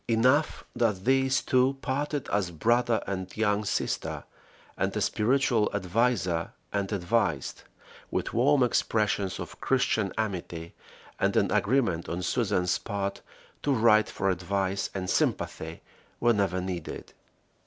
Enough that these two parted as brother and young sister, and a spiritual adviser and advised, with warm expressions of Christian amity, and an agreement on Susan's part to write for advice and sympathy whenever needed.